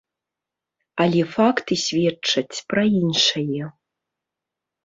Але факты сведчаць пра іншае.